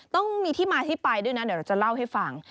ต้องมีที่มาที่ไปด้วยนะเดี๋ยวเราจะเล่าให้ฟัง